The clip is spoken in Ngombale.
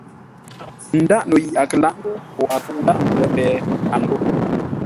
Ńdǎʼ no yi a kə lǎʼ ńgó koo a kə̂u ńdáʼ ŋuu lə́ péh, a ghô.